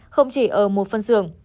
không chỉ ở một phân xưởng